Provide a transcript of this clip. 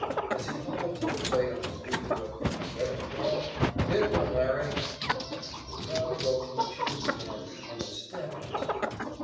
As he hobbled to the plate on his weak foot, said McGraw: "Hit one, Larry." The crowd broke into cheers again and was stamping its feet.